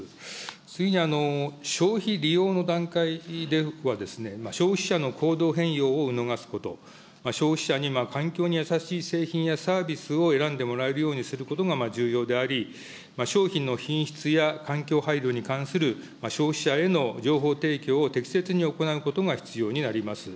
次に消費利用の段階ではですね、消費者の行動変容を促すこと、消費者に環境に優しい製品やサービスを選んでもらえるようにすることが重要であり、商品の品質や環境配慮に関する消費者への情報提供を適切に行うことが必要になります。